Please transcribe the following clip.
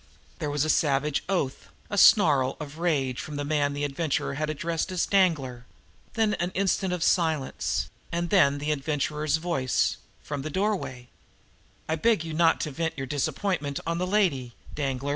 There was a savage oath, a snarl of rage from the man whom the Adventurer had addressed as Danglar; then an instant s silence; and then the Adventurer's voice from the doorway: "I beg of you not to vent your disappointment on the lady Danglar.